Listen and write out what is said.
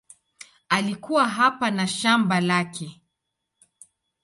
Alikuwa hapa na shamba lake.